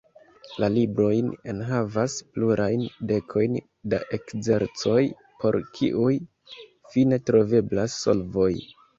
La librojn enhavas plurajn dekojn da ekzercoj, por kiuj fine troveblas solvoj.